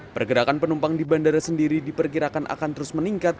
pergerakan penumpang di bandara sendiri diperkirakan akan terus meningkat